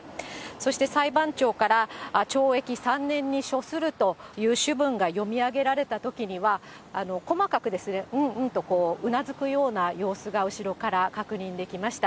そして裁判長から懲役３年に処するという主文が読み上げられたときには、細かく、うんうんとうなずくような様子が後ろから確認できました。